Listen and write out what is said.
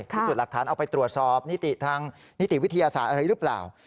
พิสูจน์หลักฐานเอาไปตรวจสอบนิติทางนิติวิทยาศาสตร์อะไรหรือเปล่า